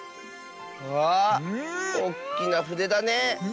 うわあおっきなふでだね。